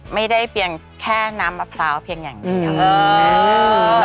ไม่ได้เปลี่ยนแค่น้ำมะพร้าวเพียงอย่างนี้